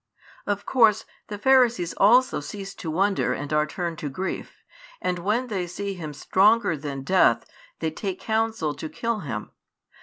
Of course the Pharisees also cease to wonder and are turned to grief, and when they see Him stronger than |133 death, they take counsel to kill Him.